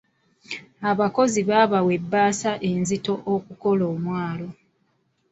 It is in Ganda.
Abakozi baabawa ebbaasa enzito okukola omwala.